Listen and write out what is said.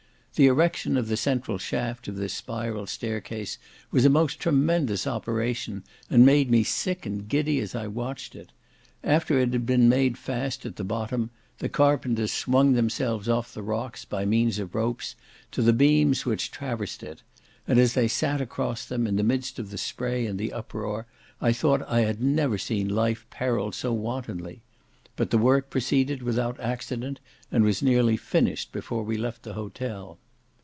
The erection of the central shaft of this spiral stair was a most tremendous operation, and made me sick and giddy as I watched it. After it had been made fast at the bottom, the carpenters swung themselves off the rocks, by the means of ropes, to the beams which traversed it; and as they sat across them, in the midst of the spray and the uproar, I thought I had never seen life periled so wantonly. But the work proceeded without accident, and was nearly finished before we left the hotel.